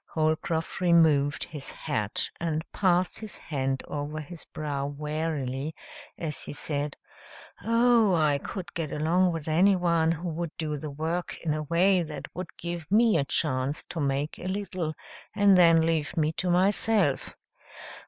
Holcroft removed his hat and passed his hand over his brow wearily as he said, "Oh, I could get along with anyone who would do the work in a way that would give me a chance to make a little, and then leave me to myself."